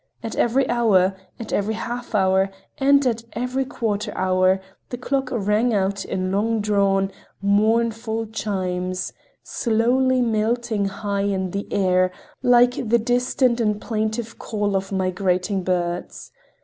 At every hour, at every half hour, and at every quarter hour the clock rang out in long drawn, mournful chimes, slowly melting high in the air, like the distant and plaintive call of migrating birds.